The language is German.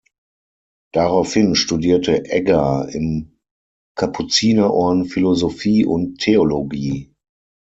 Daraufhin studierte Egger im Kapuzinerorden Philosophie und Theologie.